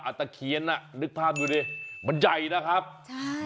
ตะเคียนอ่ะนึกภาพดูดิมันใหญ่นะครับใช่